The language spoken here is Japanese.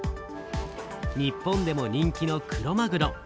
日本でも人気のクロマグロ。